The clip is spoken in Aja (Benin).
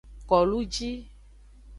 Koluji.